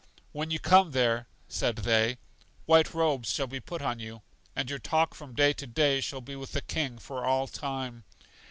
When you come there, said they, white robes will be put on you, and your talk from day to day shall be with the King for all time.